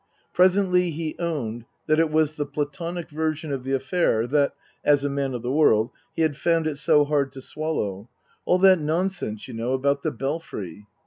Presently he owned that it was the platonic version of the affair that as a man of the world he had found it so hard to swallow " All that nonsense, you know, about the Belfry."